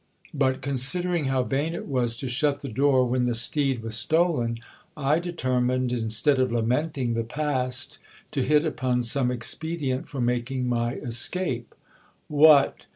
But, considering how vain it was to shut the door when the steed was stolen, I determined, instead of lamenting the past, to hit upon some expedient for making my escape. What